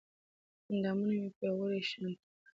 اندامونه مې پرې غوړ شانتې کړل